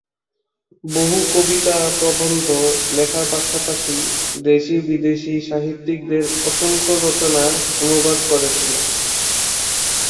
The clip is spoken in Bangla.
বহু কবিতা, প্রবন্ধ লেখার পাশাপাশি দেশী বিদেশী সাহিত্যিকদের অসংখ্য রচনা অনুবাদ করেছিলেন।